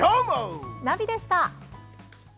ナビでした。